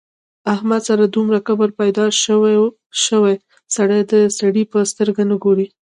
احمد سره دومره کبر پیدا شوی سړي ته د سړي په سترګه نه ګوري.